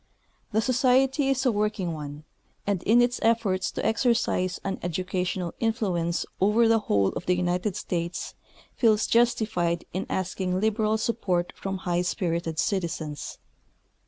The Society is a work ing one, and in its efforts to exercise an educational influence over the whole of the United States feels justified in asking lib eral support from public spirited citizens.